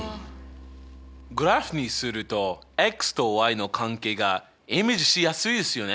グラフにするととの関係がイメージしやすいですよね。